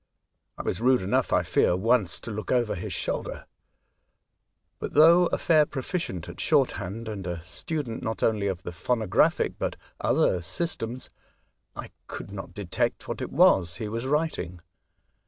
I was mde enough, I fear, once to look over his shoulder ; but, though a fair proficient at shorthand, and a student not only of the phonographic but other systems, I could not detect what it was he was writing.